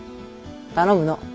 頼むの。